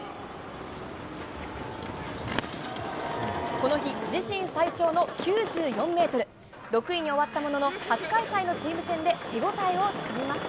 この日、自身最長の９４メートル、６位に終わったものの、初開催のチーム戦で手応えをつかみました。